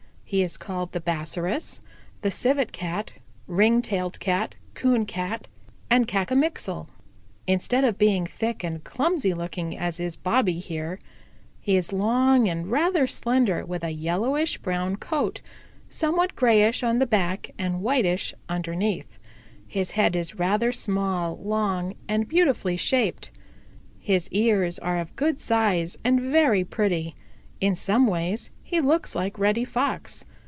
He is called the Bassaris, the Civet Cat, Ring tailed Cat, Coon Cat and Cacomixtle. Instead of being thick and clumsy looking, as is Bobby here, he is long and rather slender, with a yellowish brown coat, somewhat grayish on the back and whitish underneath. His head is rather small, long and beautifully shaped. His ears are of good size and very pretty. In some ways he looks like Reddy Fox.